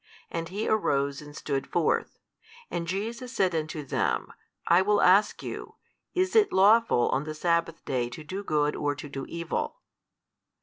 And he arose and stood forth. And Jesus said unto them, I will ask you, Is it lawful on the sabbath day to do good or to do evil?